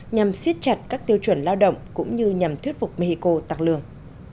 nhằm xiết chặt các tiêu chuẩn lao động cũng như nhằm thuyết phục mexico tặng lương